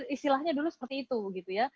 istilahnya dulu seperti itu